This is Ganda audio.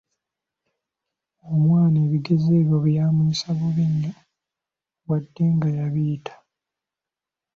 Omwana ebigezo ebyo byamuyisa bubi nnyo wadde nga yabiyita.